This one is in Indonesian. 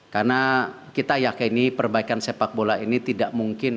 karena kita yakin perbaikan sepak bola ini tidak mungkin